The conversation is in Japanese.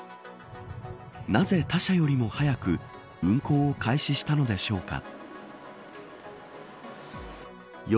なぜ、他社よりも早く運航を開始したのでしょうか。